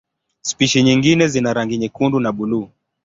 Spishi nyingine zina rangi nyekundu na buluu.